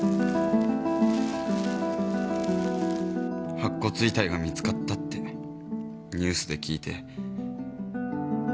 白骨遺体が見つかったってニュースで聞いて。